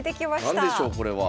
何でしょうこれは。